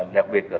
đặc biệt là